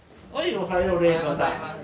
おはようございます。